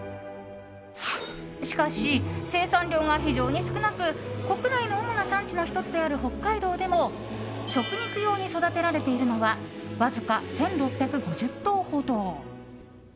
しかし生産量が非常に少なく国内の主な産地の１つである北海道でも食肉用に育てられているのはわずか１６５０頭ほど。